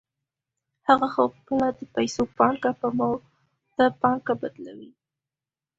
هغه خپله د پیسو پانګه په مولده پانګه بدلوي